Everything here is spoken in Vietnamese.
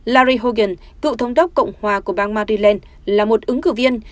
larry hogan cựu thống đốc cộng hòa của bang maryland là một ứng cử viên